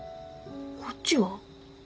こっちは？